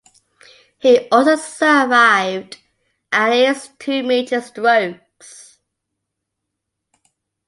He also survived at least two major strokes.